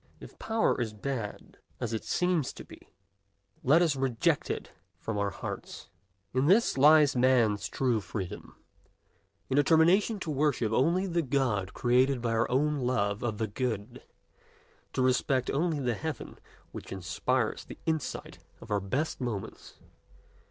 If Power is bad, as it seems to be, let us reject it from our hearts. In this lies Man's true freedom: in determination to worship only the God created by our own love of the good, to respect only the heaven which inspires the insight of our best moments.